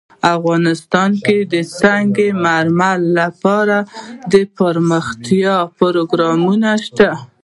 افغانستان کې د سنگ مرمر لپاره دپرمختیا پروګرامونه شته.